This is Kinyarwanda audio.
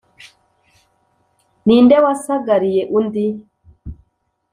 Ni nde wasagariye undi?